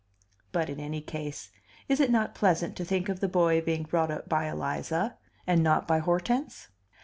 But, in any case, is it not pleasant to think of the boy being brought up by Eliza, and not by Hortense?